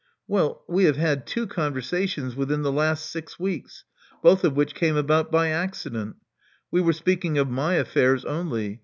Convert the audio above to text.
Well, we have had two conversations within the last six weeks, both of which came about by accident. We were speaking of my affairs only.